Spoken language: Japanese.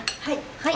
はい。